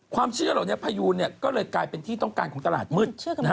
เชื่อเหล่านี้พยูนก็เลยกลายเป็นที่ต้องการของตลาดมืด